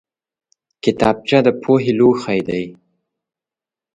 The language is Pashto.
کتابچه د پوهې لوښی دی